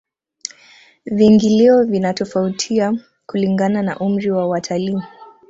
viingilio vinatofautia kulingana na umri wa watalii